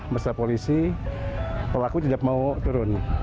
bersama polisi pelaku tidak mau turun